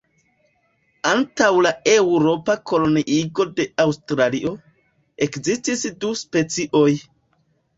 Antaŭ la eŭropa koloniigo de Aŭstralio, ekzistis du specioj.